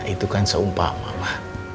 itu kan seumpama ma